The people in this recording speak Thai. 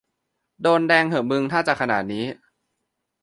โดนแดงเหอะมึงถ้าจะขนาดนี้